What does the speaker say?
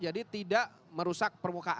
jadi tidak merusak perut